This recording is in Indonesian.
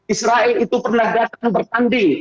israel itu pernah datang bertanding